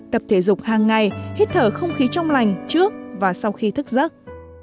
tập thể dục hàng ngày hít thở không khí trong lành trước và sau khi thức giấc